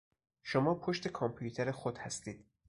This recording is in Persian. شما پشت کامپیوتر خود هستید